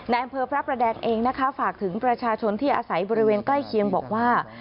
อำเภอพระประแดงเองนะคะฝากถึงประชาชนที่อาศัยบริเวณใกล้เคียงบอกว่า